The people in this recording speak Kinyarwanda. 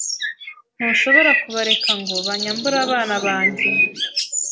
Ntushobora kubareka ngo banyambure abana banjye.